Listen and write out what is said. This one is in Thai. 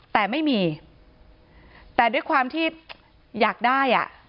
แต่ไม่มีแต่ด้วยความที่อยากได้อ่ะ